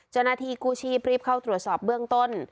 เจ้าหน้าที่กู้ชีพรีบเข้าตรวจสอบเบื้องต้น